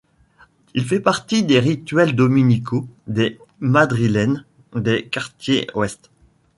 Il fait partie des rituels dominicaux des madrilènes des quartiers oest.